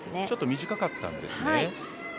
ちょっと短かったんですね。